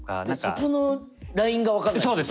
そこのラインが分かんないんすけど。